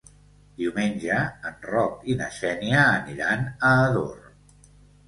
Diumenge en Roc i na Xènia aniran a Ador.